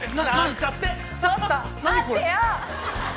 ちょっと待ってよ！